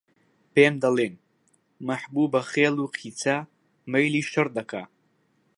پێم دەڵێن: مەحبووبە خێل و قیچە، مەیلی شەڕ دەکا